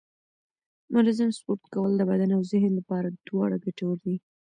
منظم سپورت کول د بدن او ذهن لپاره دواړه ګټور دي